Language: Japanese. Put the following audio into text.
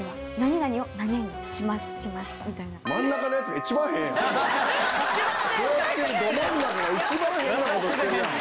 座ってるど真ん中が一番変なことしてるやんか。